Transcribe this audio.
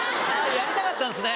やりたかったんですね。